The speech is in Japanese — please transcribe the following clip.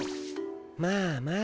まあまあ。